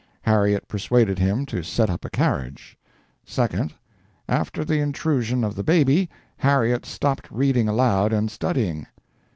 Harriet persuaded him to set up a carriage. 2d. After the intrusion of the baby, Harriet stopped reading aloud and studying.